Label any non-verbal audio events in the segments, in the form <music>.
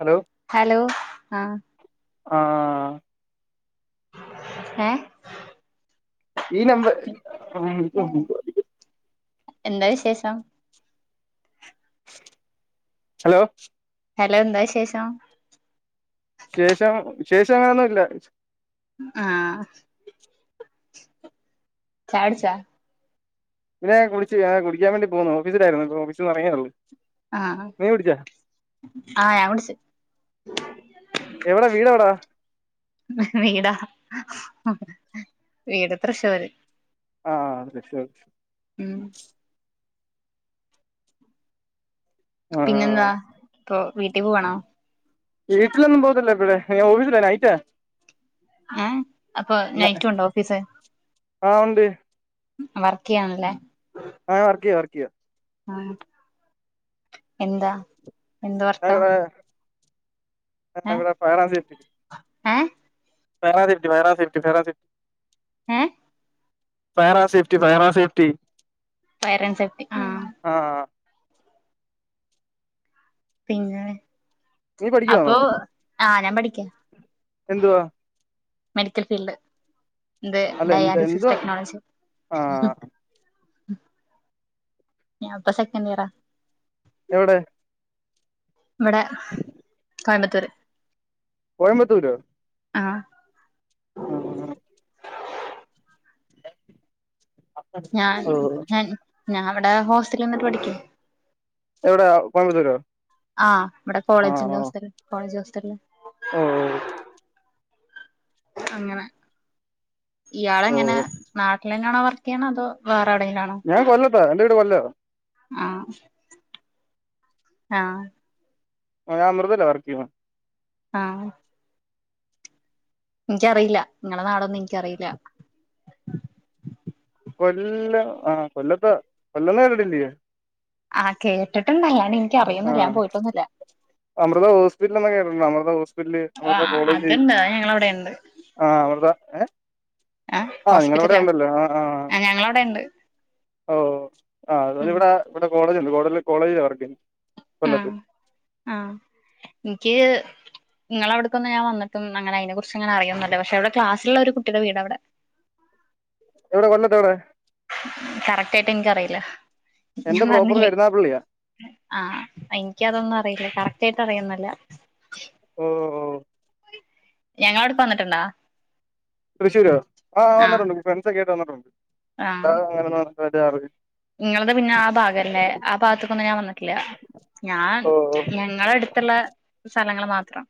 Hello hello ആഹ് ആഹ് ഏഹ് ഈ നമ്പർ <unintelligible> എന്താ വിശേഷം ഹലോ ഹെലോ എന്താവിശേഷം ശേഷം ശേഷം അങ്ങനെയൊന്നുല്ല ആഹ് ചായട്ച്ചാ പിന്നെ കുടിച്ച് ചായ കുടിക്കാൻ വേണ്ടി പോവുന്നു. ഓഫീസിലായിരുന്നു, ഇപ്പൊ ഓഫീസ്ന്ന്എർങ്ങിയേ ഒള്ളൂ ആഹ് ആഹ്, ആഹ് ഞാൻ കുടിച്ച് എവിടാ വീടെവിടാ? വീടാ വീട് തൃശ്ശൂര് ആഹ് തൃശൂര് ഉം ആ പിന്നെന്താ പ്പൊ വീട്ടിപോവാണോ വീട്ടിലൊന്നും പോകത്തില്ല ടുഡേ ഞാൻ ഓഫീസില നൈറ്റാ ഏഹ് ന ആ ഉണ്ട് വർക്കെയ്യാണല്ലേ ആഹ് ഞാൻ വർക്കിയോ വർക്കിയോ ആഹ് എന്താ എന്ത് വർക്ക? ഫ ഫയറ് ആൻഡ് സേഫ്റ്റി ഏഹ് fire and safety fire and safety fire and safety ഏഹ് ഫയറാസേഫ്റ്റി ഫയറാസേഫ്റ്റി ഫയറാൻഡ് സേഫ്റ്റി ഉം ആഹ് ആഹ് പിന്നെ നീ പഠിക്കുവാന്നോ അപ്പൊ ആഹ് ഞാൻ പഠിക്ക എന്തുവാ? മെഡിക്കൽ ഫീൽഡ്, ന്ത് അല്ല എന്ത് ഡയാലിസിസ് എന്തുവാ ടെക്നോളജി ആ ഞാപ്പ സെക്കന്റിയറാ എവിടെ ഇവിടെ കോയമ്പത്തൂർ കോയമ്പത്തൂരോ ആഹ ആ ഞാൻ ഓ ഞാൻ ഇവിടെ ഹോസ്റ്റലിൽ നിന്നിട്ട് പഠിക്കുന്നു എവിടെ കോമ്പത്തൂരോ ആഹ് ഇവിടെ കോളേജിന്റ ഹോസ്റ്റൽ കോളേജ് ഹോസ്റ്റൽ ഓ ഓ അങ്ങനെ ഇയാള ഓ എങ്ങനെ നാട്ടിൽ തന്നെയണോ വർ ക്കെയണോ അതോ വേറെഎവിടെങ്കിലും ആണോ ഞാൻ കൊല്ലത്താ എന്റെ വീട് കൊല്ലാ ആഹ ആഹ ഞാൻ അമൃതെല വർക്ക്‌ ചെയ്യുന്നത് ആഹ ഇനിക്കറിയില്ല നിങ്ങളെ നാടൊന്നും ഇനിക്കറിയില്ല കൊല്ലം ആഹ കൊല്ലത്ത കൊല്ലന്ന കേട്ടിട്ടില്ലേ ആഹ കേട്ടിട്ടുണ്ട് ഞാന് ആ എനിക്കറിയൊന്നില്ല ഞാൻ പോയിട്ടന്നുല്ല അമൃത ഹോസ്പിറ്റൽ എന്ന് കേട്ടുണ്ട് അമൃത ഹോസ്പിറ്റല് അമൃത ആഹ് കോളേജ് അത്ണ്ട് അത് ഞങ്ങളവിടെണ്ട് ആ് അമൃത ഏ ആ നിങ്ങള വിടെ ഉണ്ടല്ലോ ആ ആ് ഞങ്ങള അവിടെണ്ട് ഓ ആ അതത് ഇവിടെ കോളേജ്യ്‌ണ്ട് കോളേജില വർക്കയ്‌ ആഹ ആഹ ഇനിക്ക് നിങ്ങളവിടുക്ക്ന്ന് ഞൻ വന്നട്ടും അങ്ങന അതിനെ കുറിച്ച് അങ്ങന അറിയുന്നല്ല പക്ഷെവിടെ ക്ലസ്സുള്ള ഒരു കുട്ടിയുടെ വീട് അവിടെ എവിടെ കൊല്ലത് എവിടെ കറക്റ്റ് ആയിട്ട് എനിക്കറിയില്ല എന്റെ ഞാൻ പ്രോപ്പർ പറഞ്ഞില്ലേ കരുനാഗപ്പള്ളിയാ ആഹ് എനിക്കതൊന്നും അറിയില്ല കറകറ്റായിട്ട് അറിയുന്നല്ല ഓ ഓ ഞങ്ങളെ അവിടെക്ക് വന്നിട്ടുണ്ടോ തൃശൂര് ആഹ് ആ വന്നിട്ടുണ്ട് ഫ്രണ്ട്സ് ഒക്കെ ആയിട്ട് വന്നിട്ടുണ്ട് നിങ്ങള് ത്പിന്നെ ആ ഭാഗല്ലേ ആ ഭാഗത്തക്കൊന്നും ഞാൻ വന്നിട്ടില്ല ഞാൻ ഓ ഓ ഞങ്ങളടുത്തുള്ള സ്ഥലങ്ങൾ മാത്രം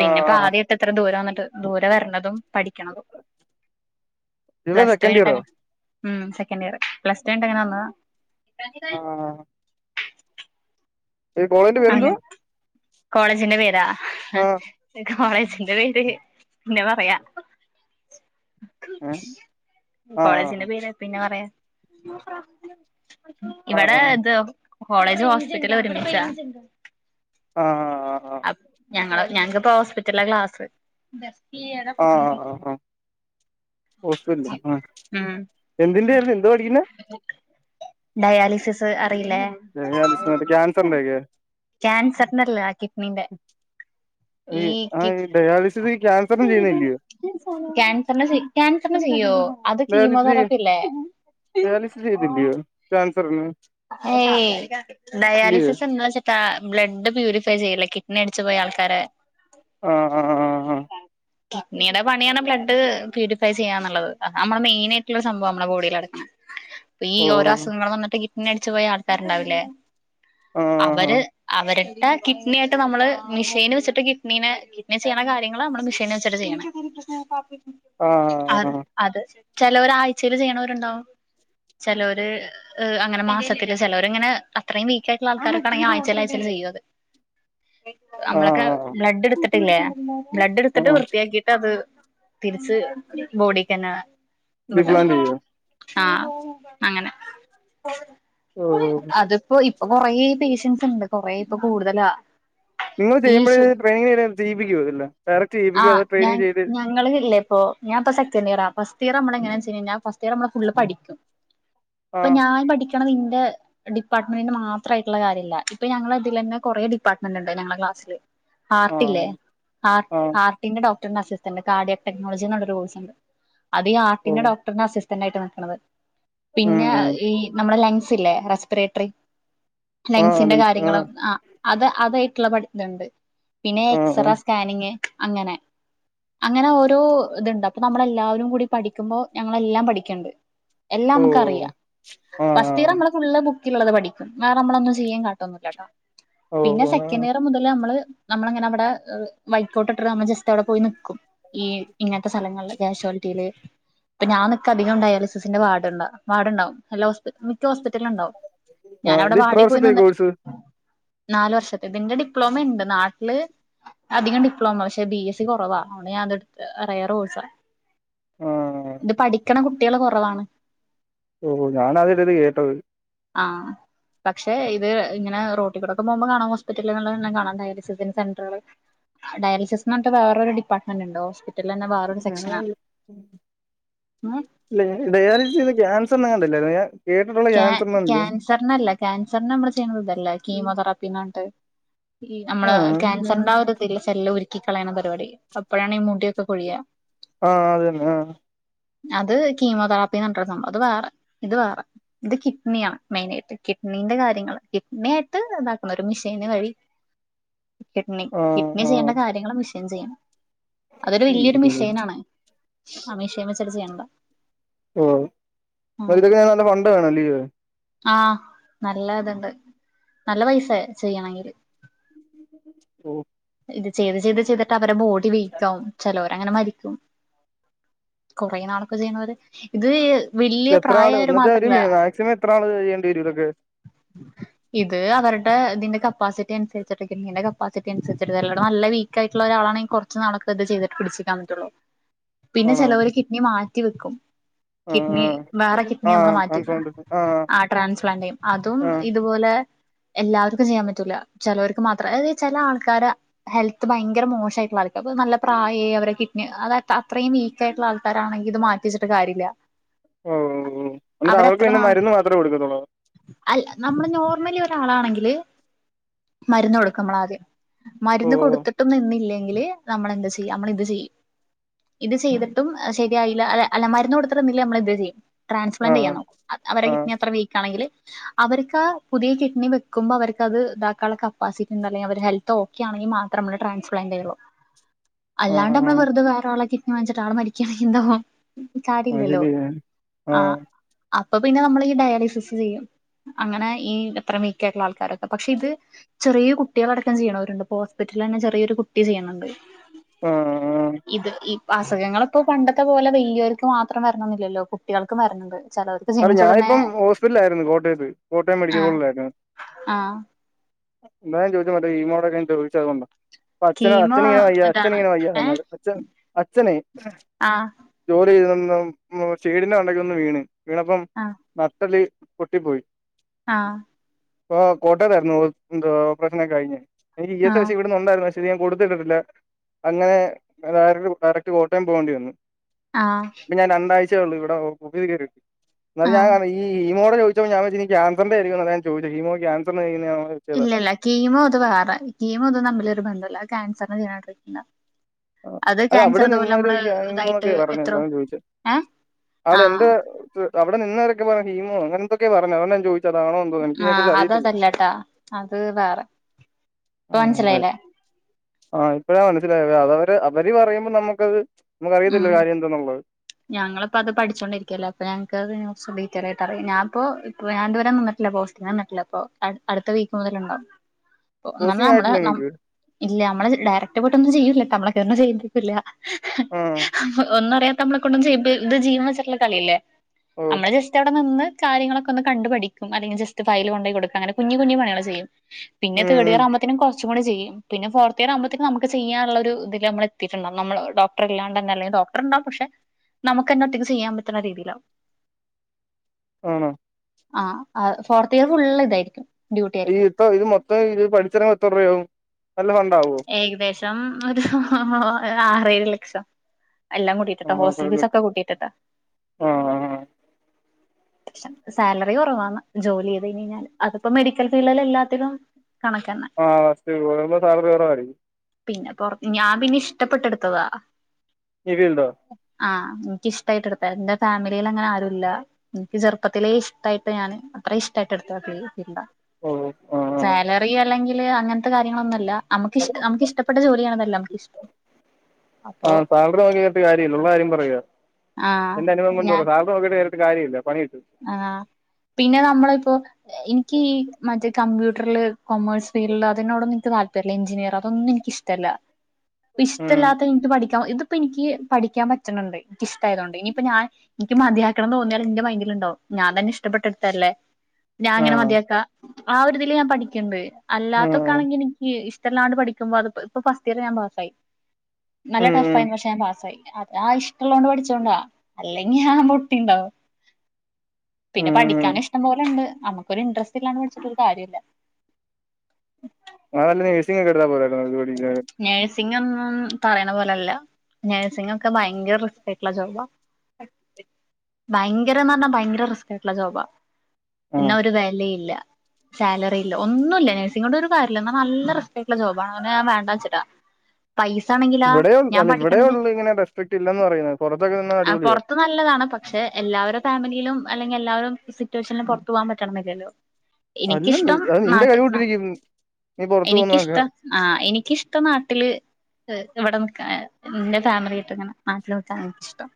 ആ ആ ആ ആദ്യമായിട്ട് ഇത്ര ദൂരം വന്നിട്ട് ദൂരെ വരണതും പഠിക്കണതും നീ ഇപ്പൊ സെക്കൻഡ്ഇയർ ഓ ഉ സെക്കന്റ്ഇയർ പ്ലസ് ടു കഴിഞ്ഞിട്ടങ്ങനെ വന്നതാ ആ ഈ കോളേജിന്റെ അെ പേരെന്തുവാ കോളേജിന്റെ പേരാ ആ കോളേജിന്റെ പേര് പിന്നെ പറയാ ആ കോളേജിന്റെ പേര് പിന്നെ പറയാ ആ ആ ഇവിടെ ഇത് കോളേജ് ഹോസ്പിറ്റല് ഒരുമിച്ചാ ആഹ അ ഞങ്ങള് ഞങ്ങക്ക്പ്പോ ഹോസ്പിറ്റലില ക്ലാസ് <unintelligible> ഹോസ്റ്റൽ ആ ഉം എന്തിന്റരുന്നു എന്തോ പഠിക്കുന്നെ ഡയാലിസിസ് അറിയില്ലേ ഡയാലിസിസ് മറ്റേ ക്യാൻസറിന്റെ ഒക്കെ കേൻസർനുള്ള കിഡ്‌നി ന്റെ ഈ കിഡ്‌നി ഡയാലിസിന് ക്യാൻസറും ചെയ്യുന്നി ല്ലയോ ക്യാൻ ക്യാൻസർന്നെ ചെയ്യോ അത് കീമോ ഡയാലിസിസ് ചെയ് തെറാപ്പില്ലേ ചാൻസർ ന് ഏ യ്‌ ഡയാലിസ്സ സ് താ ബ്ലഡ് പ്യൂരിഫൈ ചെയ്യില്ലേ കിഡ്നി അടിച്ച് പോയ ആൾക്കാരെ ആഹ്ആഹ് ആഹ് അ കിഡനിയുടെ പണിയാണ് ബ്ലഡ് പ്യൂരിഫൈ ചെയ്യാന്നുള്ളത് നമ്മള് മെയിനായിട്ടുള്ള സംഭവ നമ്മുടെ ബോഡില്ടുക്കണത് ഹലോ ഈ ഓ ഓരോ അസുഖങ്ങൾ വന്നിട്ട് കിഡ്‌നി അടിച്ചു പോയ ആൾക്കാരുണ്ടാവില്ലേ ആ അവര് അവരുടെ കിഡ്നി ആയിട്ട് നമ്മള് മിഷീന് വെച്ചട്ട് കിഡ്നിനെകിഡ്നി ചെയ്യണ കാര്യങ്ങള്നമ്മള് മിഷീ ന് വച്ചിട്ട് ചെയ്യണ് <inaudible> ആഹ ആ അത് ചേലോൽ ആഴ്ചൽ ചെയ്യണോരുണ്ടാവും ചേലോര് ങ്ങന മാസത്തില് ചേലോരിങ്ങന അത്രയും വീക്കായിട്ടുള്ള ആൾക്കാരൊക്കെണെങ്കി ആഴ്ചയിൽ ആഴ്ചയിൽ ചെയ്യു അത് ആ നമ്മളൊക്കെ ബ്ലഡ്ടുത്തിട്ടില്ലേ ബ്ലഡ് എടുത്തിട്ട് ആ വൃത്തിയാക്കി അത് തിരിച്ച് ബോഡിക്കന്നെ ഇവിട റീപ്ലാന്റ് ചെയ്യോ ആഹ് അങ്ങനെ ഓ അതിപ്പോ ഇപ്പൊ കൊറ പേഷ്യൻസ് ഉണ്ട് കൊറ ഇപ്പൊ കൂടുതലാ നിങ്ങൾ ഈ ചെയ്യുമ്പയ്‌ ഷു ട്രെയിനി ചെയ് ജയിപ്പിക്കോ ഇതെല്ലാം ഡയറക്ട് ചെയിപ്പിക്കൊ അ ട്രെയിനിങ് ചെയ്ത് ങ്ങൾ ഇല്ലപ്പോ ഞാനിപ്പോ സെക്കൻഡിയറാ ഫസ്റ്റ് ഇയർ നമ്മ എങ്ങനെ വെച്ച് കഴിഞാ ഫസ്റ്റ് ഇയർ നമ്മള് ഫുള്ള് പഠിക്കും ആ ഇപ്പൊ ഞാൻ പഠിക്കണ ഇന്റെ ഡിപ്പാർട്ട്മെന്റിന് മാത്രയിട്ടുള്ള കാര്യല്ല ഇപ്പ ഞങ്ങളെ ഇതിലെന്നെ കൊറേ ഡിപ്പാർട്ട്മെന്റ് ഉണ്ട് ഞങ്ങള ക്ലാസ്സില് ആ ആർട്ടില്ലേ ആർ് ആ ആർ പിന്നെ ഡോക്ടറിന്റെ അസിസ്റ്റന്റ് കാഡിയോ ടെക്നോളജിഎന്നൊരു കോഴ്സ്ണ്ട് അത് ഓ ഹാർട്ടിന്റെ ഡോക്റിന്റെ അസിസ്റ്റ തന്നായിട്ട് നിക്കണത് ഉം പിന്നെ ഉം ഈ നമ്മുടെ ലൻസ് ഇല്ലേ റെസ് പേറ്ററി ആ ലൻസിന്റെ ലിങ്ക്സ് കാര്യങ്ങളും ആ അത് അതായിട്ടുള്ള പടുത്തണ്ട് പിന്നെ ആ എക്സറ ആ സ്കാനിങ് അങ്ങനെ അങ്ങനെ ഓരോ ഇത്ണ്ട് അപ്പൊ നമ്മളെല്ലാവരും കൂടി പഠിക്കുമ്പോ ഞങ്ങളെല്ലാം പഠിക്ക്ണ്ട് എല്ലാം ഓ നമുക്ക് അറിയാ ആ ഫാസ്റ്റ് യിയർ നമ്മള് ഫുള്ള് ബുക്കിലു ള്ളത് പഠിക്കും വേറെ നമ്മളൊന്നും ചെയ്യാ കാട്ടൊന്നുല്ല കേട്ടോ ഓ പിന്നെ ആ സെക്കൻഡ് ഇയർ മുതൽ നമ്മള് നമ്മളെങ്ങനെ അവിടെ വൈക്കോട്ടിട്ട് നമ്മ ജസ്റ്റ് അവിടെ പോയി നിക്കും ഈ ഇങ്ങനത്തെ സ്ഥലങ്ങളില് ക്യാ ഷ്യാലിറ്റിയില് ഇപ്പ ഞാൻ നിക്ക് അധികം ഡയാലിസിന്റെ വാർഡ് ണ്ടാവും എല്ലോസ്പിറ്റ മിക്ക ഹോസ്പിറ്റലും ഉണ്ടാവും ആ ഞാനവിടെ ഇത് ഇത്ര വാർഡിപോയി വർഷത്തെ ന്നിന്നിട്ട് കോഴ്സ് നാല് വർഷത്തെ ഇതിന്റെ ഡിപ്ലോമയി ണ്ട് നാട്ടില് അധികം ഡിപ്ലോമ പക്ഷെ ബി എസ് സി കുറവാ അത്കൊണ്ടാഞാനെടുത്തെ അറേറെ കോഴ്സ ആ ഇത് പഠിക്കണ കുട്ടികള് കുറവാണ് ഓ ഹോഞാനാദ്യായിട്ട ഇത് കേട്ടത് ആഹ് പക്ഷെ ഇത് ഇങ്ങന റോട്ടിക്കൂടെക്കെ പോകുമ്പോ കാണ ഹോസ്പിറ്റലി ലെ ല്ലാം കാണാം ഡയാലിസി സിൻ്റെസെൻ ട്രുകൾ ഡയാലിസിസ് എന്ന് പറഞ്ഞിട്ട് വേറൊരു ഡിപ്പാർട്ട്മന്റ്ണ്ടോസ് പി <unintelligible> ഉം ഇല്ല ഡയാലിസിന്ന് ക്യാൻസ്ന്ന് കണ്ടില്ല ക്യാൻസറിനല്ല ക്യാൻസറിന് നമ്മള് ചെയ്യുന്നത് ഇതല്ലേ കീമോതെറാപ്പിന്നറന്നിട്ട് ഈ ആ നമ്മള്ക്യാൻസറിന്റെ ആ ഒരു സെല്ല് ഉരുക്കി കളയണ പരിപാടി അപ്പോഴാണ് ഈ മുടിയൊക്കെ കൊഴി യാ ആഹ് അതന്നെ ആ അത് കീമോതെറാപ്പിന്ന് പറഞ്ഞിട്ടൊരു സംഭവം അത് വേറെ ഇത് വേറെ ഇത് കിഡ്നിയാണ് മെയിനായിട്ട് കിഡ്നിന്റെ കാര്യങ്ങള് കിഡ്നി യായിട്ട് ഇതാക്കുന്നത് ഒരു മിഷീന് വഴി കിഡ്നി ആ കിഡ്നി ആ ചെയ്യേണ്ട കാര്യങ്ങള്മഷീൻ ചെയ്യണം അതൊരു വലിയൊരു മിഷീനാണ് ആ മിഷയിൻ വെച്ചട്ട് ചെയ്യണത ഓഹ് അതിനൊക്കെ നല്ല ഫണ്ട് വേണം ല്യോ ആഹ് നല്ല ഇത്ണ്ട് നല്ല പൈസെ ചെയ്യണെങ്കില് ഉം ഇത് ചെയ്ത് ചെയ്ത് ചെയ്തിട്ട് അവരെ ബോഡി വീക്ക് ആകും ചെലോര് അങ്ങനെ മരിക്കും കൊറേ നാളൊക്കെ ചെയ്യ്ണോര് ഇത് വല്യ പ്രായോര് മാത്രല്ല എത്രാള് ചെയ്യേണ്ടി വരും ഇതൊക്കെ <inaudible> ഇത് അവര്ടെ ഇതിന്റെ കപ്പാസിറ്റി അനുസരിച്ചിട്ടെക്കെ കിഡ്നിന്റെ കപ്പാസിറ്റി അനുസരിച്ചിട്ട് ചെലവര്ടെ നല്ല വീ ക്കായിട്ട്ള്ള ഒരാളണെങ്കി കൊറച്ച് നാളൊക്ക ഇത് ചെയ്ത്ട്ട് പിടിച്ചുന്നിക്കാൻ പറ്റൊള്ളൂ പിന്നെ ആണോ ചെലവര് കിഡ്നി മാറ്റി വെക്കും കിഡ്നി വേറെ കിഡ്നി നമ്മൾ മാറ്റി വെക്കും ആഹ് ആ ട്രാൻസ്പ്ലാന്റ്യ അതും ഇതുപോലെ എല്ലാവര്ക്കും ചെയ്യാൻ പറ്റൂല ചെലോര് ക്ക് മാത്രെ അത് ചെല ആൾക്കാരെ ഹെൽത്ത് ഭയങ്കര മോശയിട്ട്ള്ള ആൾക്ക് അപ്പ നല്ല പ്രായായി അവരെ കിട്നി അത് അത്രയും വീ ക്കായിട്ട്ള്ള ആൾക്കാരാണെങ്കിൽ ഇത് മാറ്റിവെച്ചിട്ട് കാര്യല്ല ഓഓ എന്നിട്ട് അവർക്ക് പിന്നെ മരുന്ന് മാത്രമേ കൊടുക്കത്തൊള്ളൊ അല്ല നമ്മള് നോർമലി ഒരാളാണെങ്കില് മരുന്ന് കൊടുക്കും അമ്മളാദ്യം ഓ മരുന്ന് കൊടുത്തിട്ടും നിന്നില്ലെങ്കില് നമ്മളെന്ത് ചെയ്യ നമ്മള് ഇത് ചെയ്യും ഇത് ചെയ്തിട്ടും ശരിയായില്ല അല്ല അല്ല മരുന്ന് കൊടുത്തിട്ടുന്നില്ലേ നമ്മൾ ഇത് ചെയ്യും ആ ട്രാൻസ്ലാന്റ് ചെയ്യാ അവരെ ആ അത്ര വീക്ക് ആണെങ്കില് അവർക്ക ആ പുതിയ കിഡ്‌ണി വെക്കുമ്പോ അവർക്ക് അത് ഇതാക്കാനുള്ള കപ്പാസിറ്റി ഇണ്ട അല്ലെങ്കിൽ അവര് ഹെൽ ത്തോക്കെയാണെങ്കിൽ മാത്രം അമ്മള് ട്രൻസ്പ്ലാന്റ്യയെള്ളൂ ആ അല്ലാണ്ട് ആ അമ്മള് വെർതെ വേറാളെ കിഡ്നി വാങ്ങിച്ച്ട്ട് ആൾ മരിക്കാണെങ്കി എന്താവോ അത് കാര്യല്ലല്ലോ ശരിയാ ആ അപ്പൊ പിന്നെ നമ്മള് ഈ ഡയാലിസിസ് ചെയ്യും. അങ്ങനെ ഈ എത്ര വീക്ക ആയിട്ടുള്ള ആൾക്കാരൊക്കെ പക്ഷെ ഇത് ചെറിയ കുട്ടികളടക്കം ചെയ്യണ അവരുണ്ട് ഇപ്പ ഹോസ്പിറ്റലിൽ തന്നെ ചെറിയൊരു കുട്ടി ചെയ്യണണ്ട് ഉം <inaudible> ഇത് ഈ അസുഖങ്ങള് ഇപ്പോ പണ്ടത്തെ പോലെ വല്യോർക്ക് മാത്രം വരണെന്നില്ലല്ലോ കുട്ടിയാൾക്കും വരണ് ണ്ട് ചെലോർക്ക് ജൻച്ച ഉടനെ ഇല്ലായിരുന്നു കോട്ടയത്ത് കോട്ടയം മെഡിക്കൽ കോളില ആയിരുന്നു. ആ മേ ചോദിച്ചോ <unintelligible> അപ്പൊ അച്ഛന കീമോ അച്ഛനിങ്ങനെ വയ്യ ഇതാണ് അച്ഛനിങ്ങനെ വയ്യ ഏ അച്ഛ അച്ഛനെ ആ ജോലി ചെയ്ത വീടിന്റെ മണ്ടക്ക് ഒന്ന് വീണ് വീണപ്പം ആ നട്ടെല് പൊട്ടിപ്പോയി ആഹ് ആ കോട്ടയതായിരുന്നു എന്താ ഒപ്രശനൊക്കെ കഴിഞ് ആ <unintelligible> <unintelligible> വന്നായിരുന്നു ഞാൻ കൊടുത്തിട്ടില്ല അങ്ങനെ ഏതായാലും ഡയറക്ക്റ്റ് കോട്ടയം പോകേണ്ടി വന്നു ആഹ് ഇപ്പ ഞാൻ രണ്ടായ്ച ഒള്ളു ഇവിടെ പുതിയെ കേറിറ്റ് എന്നാ ആ ഞാ ഈ ഹീമോടെ ചോയിച്ചപ്പോ ഞവയിച്ചു ഇനി കാൻസറിന്റെ ആയിരിക്കും ആതാ ഞാൻ ചോയിച്ചെ കീമോ ക്യാൻസർന്ന് ചെയ്യ്ന്നതാണോ? ഇല്ല ഇല്ല കീമോ അത് വേറെ കീമോ ഇതുംതമ്മിൽ ഒരു ബന്ധല്ല അത് ക്യാൻസറിന ചെയ്യ്ണ ട്രീറ്റ്‌മെന്റാ ആഹ് അത് അവിടെ നിന്നൊരു ഇതായിട്ട് <unintelligible> പറഞ്ഞെ എത്രോ അതാ ചോദിച്ച ഏ അവ് ആ എന്റെ അവിടെ നിന്നവരൊക്കെ പറഞ്ഞെ ഹീമോ അങ്ങനെന്തൊക്കെ പറഞ്ഞെ അതോണ്ടാ ഞാൻ ചോയ് ആഹ് അതതല്ലട്ടാ അത് വേറെ ഇപ്പൊ ആഹ് അതെ മനസ്സിലായില്ലേ ആഹ് ഇപ്പഴ മനസ്സിലായെ അത് അവര് അവര് പറയുമ്പോ നമുക്കത് നമുക്കറിയത്തില്ല കാര്യ എന്താന്നുള്ളത് ഞങ്ങൾപ്പോ അത് പഠിച്ചൊണ്ടരിക്കല്ലെ അപ്പൊ ഞങ്ങക്ക് അതിനെ കുറച്ച് ഡീറ്റെയിലേയിട്ട് അറിയ ഞാപ്പോ ഇപ്പോ ഞാൻതുവരെ നിന്നിട്ടില്ല പോസ് ഞാ നട്ടില്ല പ്പൊ അട് അടുത്ത വീക്ക് മുതലുണ്ടാവും അപ്പൊ ന്ന പോസ്റ്റിംഗ് നമ്മുടെ ആയിട്ടില്ല ന നിങ്ങക്ക് ഇല്ല നമ്മള് ഡയറക്ട് പോയിട്ടൊന്നും ചെയ്യില്ലട്ടോ നമ്മളെക്കൊണ്ട് ചെയ്യുപ്പിക്കൂല്ല ആഹ് ഒന്നു അറിയാത്ത നമ്മളെ കൊണ്ടും ചെയ്യുമ്പ ഇത് ജീവൻ വെച്ചിട്ടുള്ള കളിയെല്ലേ ഓഹ് നമ്മള് ജസ്റ്റവിടെ നിന്ന് കാര്യങ്ങളൊക്കെ ഒന്ന് കണ്ടു പഠിക്കും അല്ലെങ്കി ജസ്റ്റ് ഫയല് കൊണ്ടോയി കൊടുക്കും അങ്ങനെ കുഞ്ഞി കുഞ്ഞി പണികെളാ ചെയ്യി പിന്നെ ഉം തേടിയറാ പിന്നെ കൊറച്ച കൂടെ ചെയ്യും പിന്നെ ഫോർത്തിയറാവുമ്പത്തേക്ക് നമുക്ക് ചെയ്യാനുള്ള ഒരു ഇതില് നമ്മളെത്തിയിട്ട്ണ്ടാവും നമ്മ ഡോക്ട അല്ലാണ്ട്ന്നെ അല്ലെങ്കി ഡോക്ടർണ്ടാവും പക്ഷെ നമുക്കെന്നെ ഒറ്റക്ക് ചെയ്യാൻ പറ്റുന്ന രീതിയിലാവും <inaudible> ആണോ? ആഹ് ആ ഫോർത്തിയർ ഫുള്ള്തായിരിക്കും ഈ ഇത്ത ഇത് മൊത്തം ഇത് പഠിച്ചിറങ്ങുമ്പ എത്രരൂപയാകും നല്ല ഫണ്ടാവോ? ഏകദേശം ഒരു ആറേഴ് ലക്ഷം എല്ലാം കൂട്ടി ഹോസ്റ്റൽ ആഹ് ഫീസൊക്കെ കൂട്ടിട്ട്ട്ടോ ആഹ് സാലറി കൊറവാന്ന് ജോലിയ്ത് കഴിഞ്ഴിഞ്ഞാല് അത്പ്പം മെഡിക്കൽ ഫീഡിലെല്ലാത്തിലും കണക്കന്നെ ആ <unintelligible> സാലറികൊറവായിരിക്കും പിന്നെ പൊർ ഞാം പിന്നെ ഇഷ്ടപ്പെട്ടെട്ത്തെതാ ഹെവിയുണ്ടൊ? ആഹ് ഇൻക്കിഷ്ടായിട്ട് എട്ത്താ ഇന്റെ ഫാമിലിയിലങ്ങനെ ആരുല്ല ഇൻക്ക് ചെറുപ്പത്തിലെ ഇഷ്ടയിട്ട് ഞാൻ അത്രയും ഇഷ്ട്ടായിട്ട് എടുത്ത ഫീൽഡ ഓ ആഹ് സാലറി അല്ലെങ്കില് അങ്ങൻത്തെ കാര്യങ്ങളൊന്നുവല്ല അമ്മകിശ്ട നമ്മക്കിഷ്ടപ്പെട്ട ജോലിയാണതെല്ലോ നമ്മക്കിഷ്ടം ആഹ് സാലറി വാങ്ങിയിട്ട് കാര്യവില്ല ഉള്ള കാര്യം പറയുവാ ആഹ് എന്റെ അനുഭവം കൊണ്ട് പറയാ സാല നോക്കിട്ട് ചെയ്തിട്ട് കാര്യവില്ല പണികിട്ടും ആഹാ പിന്നെ നമ്മള്പ്പൊ ഇൻക്ക് ഈ മറ്റെ കമ്പ്യൂട്ടർല് കോമേഴ്സ് ഫീൽഡ് അതിനോടൊന്നും ഇൻക്ക് താല്പര്യല്ല എഞ്ചിനീയറ് അതൊന്നും ഇനിക്ക് ഇഷ്ടെല്ല ഉം ഇപ്പഷ്ടല്ലാത്തെ ഇൻട്ട് പഠിക്കാ ഇതിപ്പൊ ഇൻക്കി പഠിക്കാൻ പറ്റ്ണ് ണ്ട് ഇഷ്ട്ടായതോണ്ട് ഇനിയിപ്പ ഞാൻ ഇക്കി മതിയാക്കണം തോന്നിയാലും ഇന്റെ മൈൻഡില്ണ്ടാവും ഞാൻ തന്നെ ഇഷ്ടപ്പെട്ടെടുത്തല്ലേ ഞാ എങ്ങനെ ആഹ് മതിയാക്കാ ആ ഒരു ഇതില് ഞാൻ പഠിക്ക്ണ്ട് അല്ലാത്തൊ ഉം ക്കാണെങ്കി ഇനിക്ക് ഇഷ്ടെല്ലാണ്ട് പഠിക്കുമ്പോ അത്പ്പോ ഇപ്പൊ ഫസ്റ്റിയറ് ഞാൻ പാസ്സായി നല്ല ഉം ടഫ്ഫായിന്നു പക്ഷെ ഞാൻ പാസ്സായി അത് ആ ഇഷ്ടള്ളോണ്ട് പഠിച്ചോണ്ടാ അല്ലെങ്കി ഞാൻ പൊട്ടിണ്ടാവും പിന്നെ ഉം പഠിക്കാനും ഇഷ്ടം പോലെണ്ട് നമ്മക്കൊരു ഇൻട്രസ്റ്റില്ലാണ്ട് പഠിച്ചിട്ടൊരു കാര്യൂല്ല ഇന്നാ വല്ല നഴ്സിങ്ങൊക്കെ എടുത്താ പോരായിരുന്നോ നിനക്ക് പഠിക്കാനായിട്ട്? നഴ്സിങ്ങൊന്നും പറയ്ണ പോലല്ല നേഴ്സിങ്ങൊക്കെ ഭയങ്കര റിസ്കായിട്ടുള്ള ജോബാ ഭയങ്കരെന്ന് പറഞ്ഞാ ഭയങ്കര റിസ്കായിട്ടുള്ള ജോബാ ആഹ് എന്നാ ഒരു വെലയില്ല സാലറിയില്ല ഒന്നുല്ല നഴ്സിങ്ങോണ്ട് ഒരു കാര്യില്ല എന്നാ നല്ല റിസ്ക്കായിട്ടുള്ള ജോബ അതോണ്ടാ ഞാൻ വേണ്ടാന്നെച്ചെ ട്ടാ പൈസാണെങ്കി ഇവിടെയൊ അല്ല ഇവിടെയൊള്ളു ഇങ്ങനെ റെസ്പെക്റ്റില്ലെന്ന് പറയുന്നുന്നത് പൊറത്തൊക്കെ ചെന്ന ആ അടിപൊളിയാ പൊറത്ത് നല്ലതാണ് പക്ഷെ എല്ലാവരെ ഫാമിലിയിലും അല്ലെങ്കി എല്ലാവരും സിറ്റുവേഷനിലും പൊറത്തു പോവാൻ പറ്റണെന്നില്ലല്ലോ? അല്ല നീ എനിക്കിഷ്ടം അത് നിന്റെ നാട്ടിൽ കഴിവ് കൊണ്ടിരിക്കും നീ പുറത്തു പോകുന്നതൊക്കെ എനിക്കിഷ്ടം ആഹാ എനിക്കിഷ് ട്ടം നാട്ടില് ഇവിടെ നിക്കാനാ ഇന്റെ ഫാമിലിയായിട്ട്ങ്ങെനെ നാട്ടില് നിക്കാനെനിക്കിഷ്ടം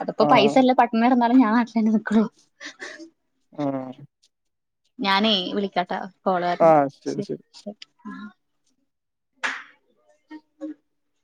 അത്പ്പൊ ആഹ് പൈസല്ല പട്ടിണി കെടന്നാലും ഞാൻ നാട്ടിലെന്നെ നിക്കൊള്ളു ഉം ഞാനെ വിളിക്കാട്ടോ കോള് വര്ണ് ആഹ് ണ്ട് ശരി ശെരി ശരി ശെ <inaudible>